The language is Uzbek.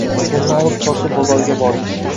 Pulni olib Chorsu bozoriga bordik.